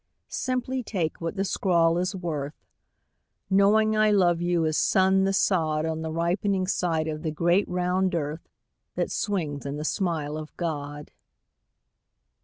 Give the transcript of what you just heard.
Simply take what the scrawl is worth Knowing I love you as sun the sod On the ripening side of the great round earth That swings in the smile of God.